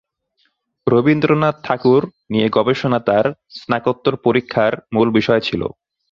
রবীন্দ্রনাথ ঠাকুর নিয়ে গবেষণা তার স্নাতকোত্তর পরীক্ষার মূল বিষয় ছিলো।